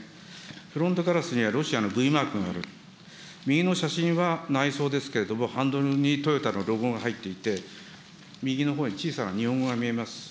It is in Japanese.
フロントガラスにはロシアのＶマークがある、右の写真は内装ですけれども、ハンドルにトヨタのロゴが入っていて、右のほうに小さな日本語が見えます。